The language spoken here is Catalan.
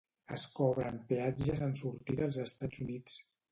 Es cobren peatges en sortir dels Estats Units.